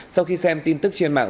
sau khi xem tin tức trên mạng